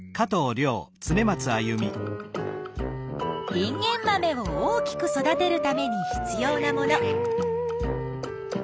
インゲンマメを大きく育てるために必要なもの。